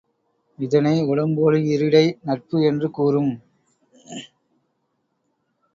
இதனை உடம்போடுயிரிடை நட்பு என்று கூறும்.